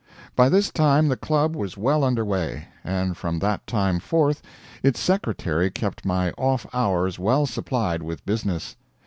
By this time the Club was well under way; and from that time forth its secretary kept my off hours well supplied with business.